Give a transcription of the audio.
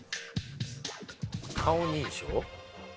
顔認証？